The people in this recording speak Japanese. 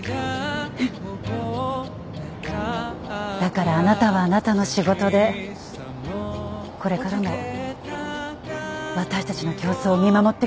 だからあなたはあなたの仕事でこれからも私たちの競争を見守ってください。